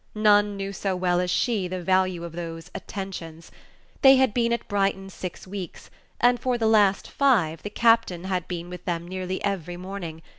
None knew so well as she the value of those "attentions." They had been at Brighton six weeks, and for the last five the captain had been with them nearly every morning.